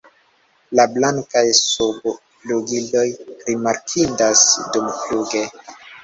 La blankaj subflugiloj rimarkindas dumfluge.